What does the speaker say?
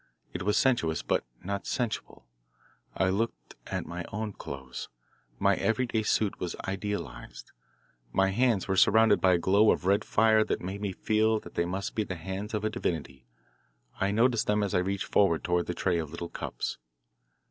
It was sensuous, but not sensual. I looked at my own clothes. My everyday suit was idealised. My hands were surrounded by a glow of red fire that made me feel that they must be the hands of a divinity. I noticed them as I reached forward toward the tray of little cups.